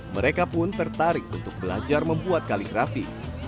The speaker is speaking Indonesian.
mereka pun tertarik untuk belajar membuat kaligrafi